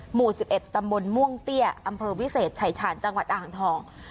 หมู่๑๑ตำบลม่วงเตี้ยอำเภอวิเศษชายชาญจังหวัดอ่างทอง